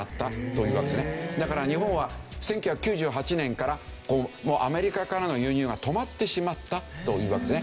だから日本は１９９８年からアメリカからの輸入が止まってしまったというわけですね。